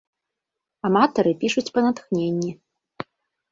Аматары пішуць па натхненні.